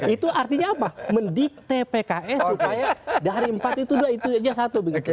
itu artinya apa mendikte pks supaya dari empat itu dua itu saja satu begitu